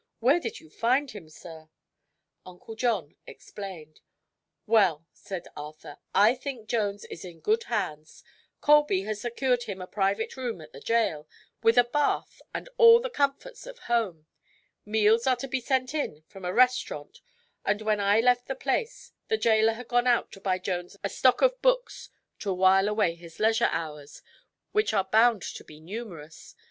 Where did you find him, sir?" Uncle John explained. "Well," said Arthur, "I think Jones is in good hands. Colby has secured him a private room at the jail, with a bath and all the comforts of home. Meals are to be sent in from a restaurant and when I left the place the jailer had gone out to buy Jones a stock of books to while away his leisure hours which are bound to be numerous.